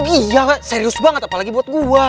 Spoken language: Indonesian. iya serius banget apalagi buat gue